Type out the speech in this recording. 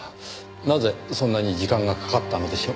なぜそんなに時間がかかったのでしょう？